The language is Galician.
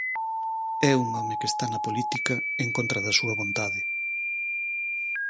É un home que está na política en contra da súa vontade.